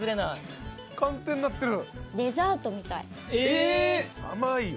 寒天になってる。